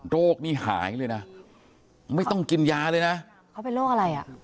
โรคนี้หายเลยนะไม่ต้องกินยาเลยนะเขาเป็นโรคอะไรอ่ะ